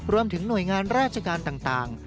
รวมถึงหน่วยงานราชการต่าง